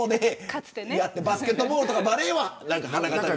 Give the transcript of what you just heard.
バスケットボールとかバレーは花形で。